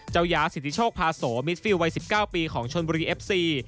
ยาสิทธิโชคพาโสมิสฟิลวัย๑๙ปีของชนบุรีเอฟซี